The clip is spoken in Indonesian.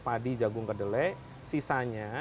padi jagung kedele sisanya